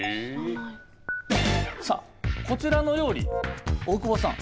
さあこちらの料理大久保さん